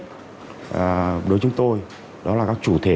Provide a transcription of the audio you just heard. đối với chúng tôi đó là các chủ thể